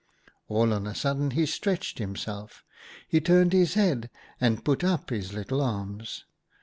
" All on a sudden he stretched himself; he turned his head and put up his little arms.